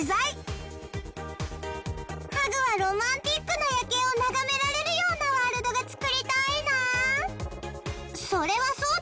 ハグはロマンティックな夜景を眺められるようなワールドが作りたいな！